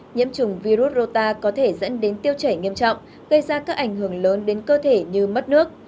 nhiễm chủng virus rota có thể dẫn đến tiêu chảy nghiêm trọng gây ra các ảnh hưởng lớn đến cơ thể như mất nước